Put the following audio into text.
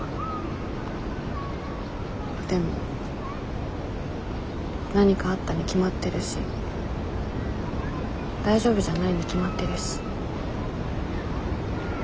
でも何かあったに決まってるし大丈夫じゃないに決まってるし。